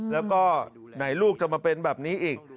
แล้วก็ไหนลูกจะมาเป็นแบบนี้อีก